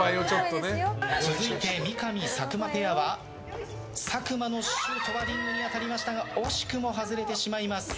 続いて、三上、佐久間ペアは佐久間のシュートがリングに当たりましたが惜しくも外れてしまいます。